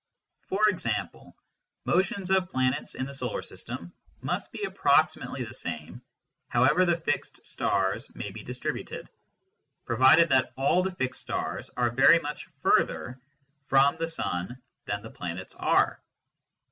For example, motions of planets in the solar system must be approximately the same however the fixed stars may be distributed, provided that all the fixed stars are very much farther from the sun than the planets are.